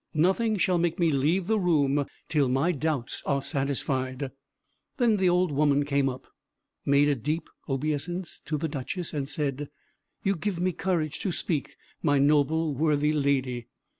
Nothing shall make me leave the room till my doubts are satisfied." Then the old woman came up, made a deep obeisance to the Duchess, and said, "You give me courage to speak, my noble, worthy lady.